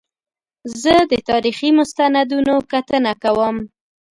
زه د تاریخي مستندونو کتنه کوم.